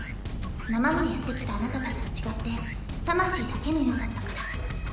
生身でやってきたあなたたちと違って魂だけのようだったから。